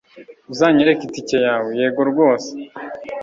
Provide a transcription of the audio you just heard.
Uzanyereka itike yawe?" "Yego rwose."